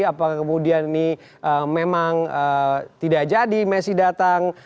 apakah kemudian ini memang tidak jadi messi datang